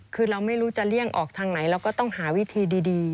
คือเราไม่รู้จะเลี่ยงออกทางไหนเราก็ต้องหาวิธีดี